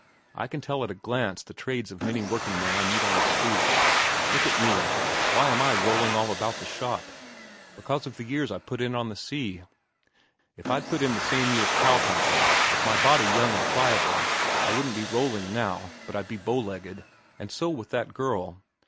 I can tell at a glance the trades of many workingmen I meet on the street. Look at me. Why am I rolling all about the shop? Because of the years I put in on the sea. If I'd put in the same years cow punching, with my body young and pliable, I wouldn't be rolling now, but I'd be bow legged. And so with that girl.